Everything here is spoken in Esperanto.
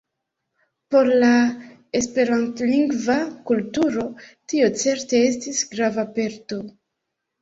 Por la Esperantlingva kulturo tio certe estis grava perdo.